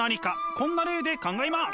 こんな例で考えます。